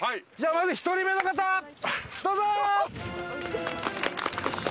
じゃあ、１人目の方どうぞ！